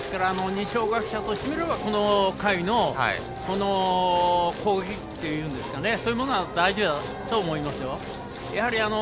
二松学舍としてみればこの回の攻撃そういうものは大事だと思いますよ。